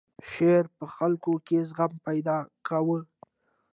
شاعرۍ په خلکو کې زغم پیدا کاوه.